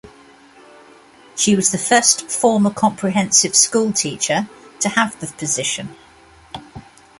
She was the first former comprehensive school teacher to have the position.